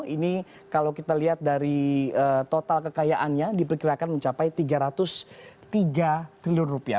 ini kalau kita lihat dari total kekayaannya diperkirakan mencapai tiga ratus tiga triliun rupiah